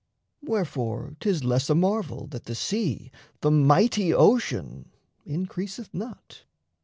Wherefore 'tis less a marvel that the sea, The mighty ocean, increaseth not.